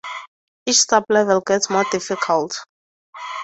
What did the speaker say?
Each sublevel gets more difficult.